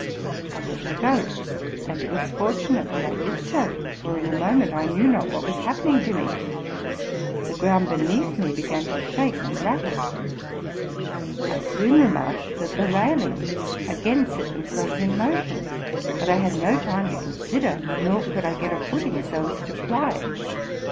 I let her go; and it was fortunate that I did so, for in a moment I knew not what was happening to me. The ground beneath me began to shake and rattle. I soon remarked that the railings again set themselves in motion; but I had no time to consider, nor could I get a footing so as to fly.